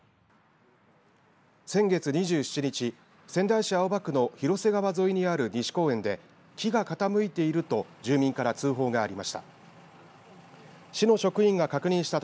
先月２７日仙台市青葉区の広瀬川沿いにある西公園で木が傾いていると住民から通報がありました。